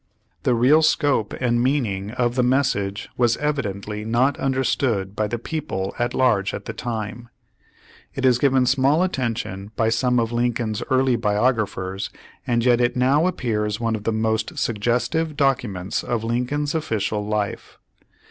The real scope and meaning of the mes sage was evidently not understood by the people at large at the time. It is given small attention by some of Lincoln's early biographers, and yet it now appears one of the most suggestive docu ments of Lincoln's olficial life.